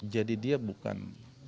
jadi dia bukan